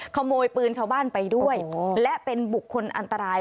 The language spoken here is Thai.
ขโมยปืนชาวบ้านไปด้วยและเป็นบุคคลอันตราย